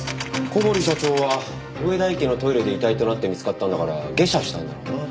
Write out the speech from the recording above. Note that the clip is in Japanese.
小堀社長は上田駅のトイレで遺体となって見つかったんだから下車したんだろうな。